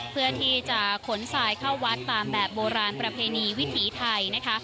เพื่อที่จะขนทรายเข้าวัดตามแบบโบราณประเพณีวิถีไทยนะคะ